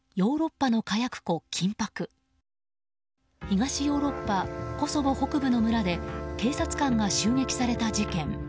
東ヨーロッパコソボ北部の村で警察官が襲撃された事件。